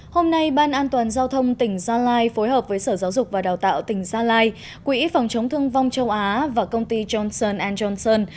hôm nay ban an toàn giao thông tỉnh gia lai phối hợp với sở giáo dục và đào tạo tỉnh gia lai quỹ phòng chống thương vong châu á và công ty johnson johnson